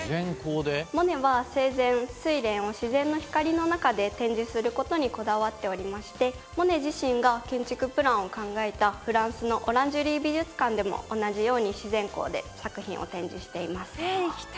モネは生前『睡蓮』を自然の光の中で展示する事にこだわっておりましてモネ自身が建築プランを考えたフランスのオランジュリー美術館でも同じように自然光で作品を展示しています。